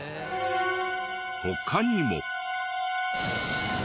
他にも。